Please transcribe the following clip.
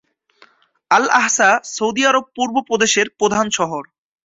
Al Ahsa, Saudi আরব পূর্ব প্রদেশের প্রধান শহর।